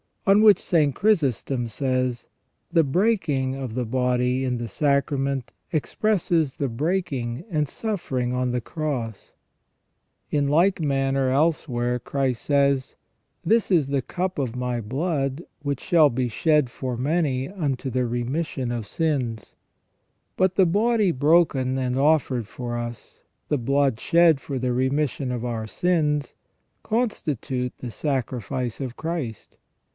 On which St. Chrysostom says :" The breaking of the body in the sacrament expresses the break ing and suffering on the Cross ". In like manner, elsewhere, Christ says :" This is the cup of My blood which shall be shed for many unto the remission of sins ". But the body broken and offered for us, the blood shed for the remission of our sins, consti tute the sacrifice of Christ.